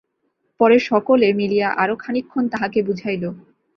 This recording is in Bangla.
পরে সকলে মিলিয়া আরও খানিকক্ষণ তাহাকে বুঝাইল।